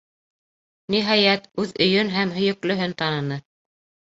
Ниһайәт, үҙ өйөн һәм һөйөклөһөн таныны.